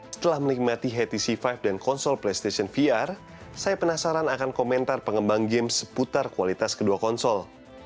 setelah menikmati htc lima dan konsol playstation vr saya penasaran akan komentar pengembang game seputar kualitas kedua konsol